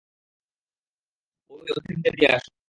এ থলেটি ঐ এতীমদের দিয়ে আস।